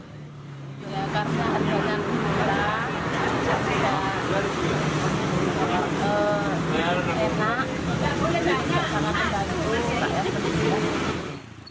karena harganya murah enak sangat sangat murah